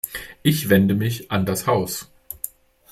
Ich wende mich an das Haus.